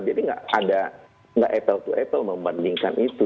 jadi tidak ada tidak etel etel membandingkan itu